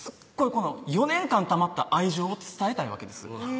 この４年間たまった愛情を伝えたいわけです